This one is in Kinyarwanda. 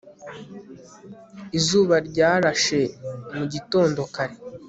izuba ryarashe mugindo kare